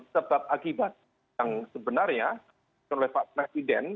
sebab akibat yang sebenarnya oleh pak presiden